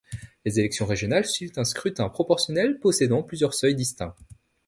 Les élections régionales suivent un scrutin proportionnel possédant plusieurs seuils distincts.